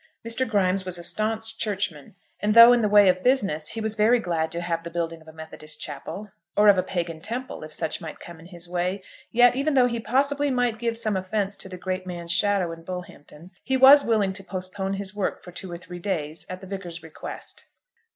Mr. Grimes was a staunch Churchman; and though in the way of business he was very glad to have the building of a Methodist chapel, or of a Pagan temple, if such might come in his way, yet, even though he possibly might give some offence to the great man's shadow in Bullhampton, he was willing to postpone his work for two or three days at the Vicar's request.